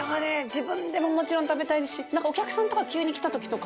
自分でももちろん食べたいしなんかお客さんとか急に来た時とか。